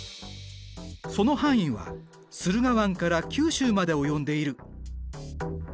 その範囲は駿河湾から九州まで及んでいる。